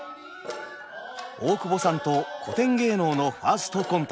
大久保さんと古典芸能のファーストコンタクト。